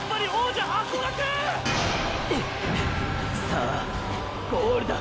さあゴールだ。